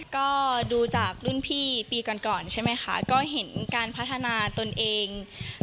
ก็ดูจากรุ่นพี่ปีก่อนก่อนใช่ไหมคะก็เห็นการพัฒนาตนเอง